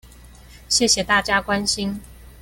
謝謝大家關心